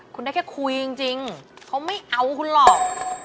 คุณได้แค่คุยจริงเขาไม่เอาคุณหรอก